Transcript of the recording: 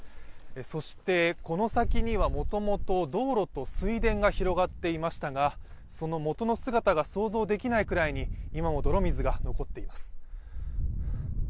そしてこの先には元々道路と水田が広がっていましたがそのもとの姿が想像できないくらいに今も泥水が残っています。